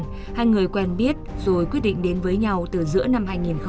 hai người quen biết rồi quyết định đến với nhau từ giữa năm hai nghìn hai mươi ba